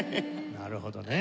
なるほどね。